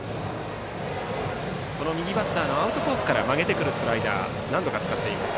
右バッターのアウトコースから曲げてくるスライダーを何度か使っています。